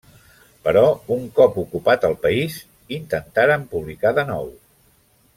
Però un cop ocupat el país, intentaren publicar de nou.